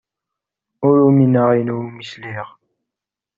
Ur umineɣ ayen iwumi sliɣ.